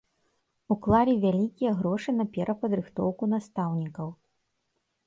Уклалі вялікія грошы на перападрыхтоўку настаўнікаў.